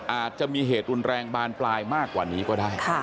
อาจจะมีเหตุรุนแรงบานปลายมากกว่านี้ก็ได้